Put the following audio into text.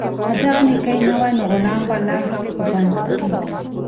که دغه نېکي نه وای، نو غلام به لا هم په بند کې و.